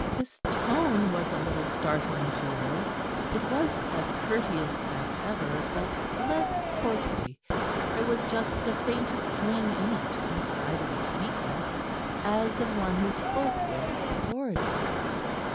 His tone was a little startling to her. It was as courteous as ever, but less courtly: there was just the faintest ring in it, in spite of its weakness, as of one who spoke with authority.